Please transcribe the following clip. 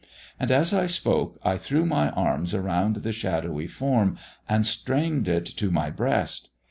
"And as I spoke I threw my arms around the shadowy form and strained it to my breast.